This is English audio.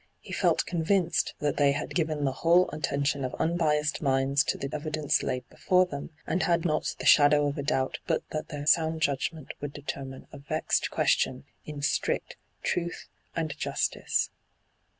He felt convinced that they had given the whole attention of unbiassed minds to the evidence laid before them, and had not the shadow of a doubt but that their sound judgment would determine a vexed question in strict truth and justice.